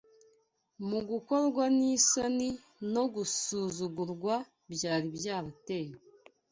mu gukorwa n’isoni no gusuzugurwa byari byaratewe